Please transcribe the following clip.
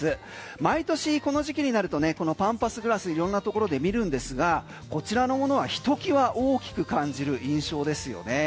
毎年この時期になるとこのパンパスグラスいろんなところで見るんですがこちらのものはひときわ大きく感じる印象ですよね。